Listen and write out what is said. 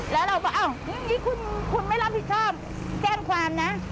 แล้วเราบอกอ้าวนี่คุณไม่รับผิดชอบแจ้งความนะ